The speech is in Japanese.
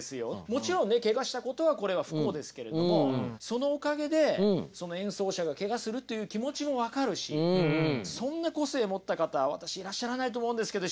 もちろんねケガしたことはこれは不幸ですけれどもそのおかげで演奏者がケガするという気持ちも分かるしそんな個性持った方は私いらっしゃらないと思うんですけど